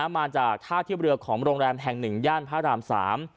มาจากท่าเทียบเรือของโรงแรมแห่งหนึ่งย่านพระรามสาม